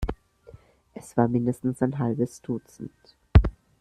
Es war mindestens ein halbes Dutzend.